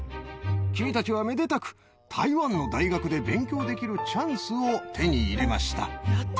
君たちはめでたく台湾の大学で勉強できるチャンスを手に入れました。